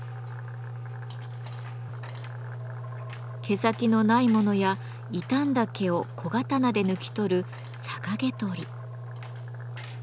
毛先のないものや傷んだ毛を小刀で抜き取る「逆毛取り」。